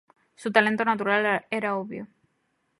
Su talento natural era obvio.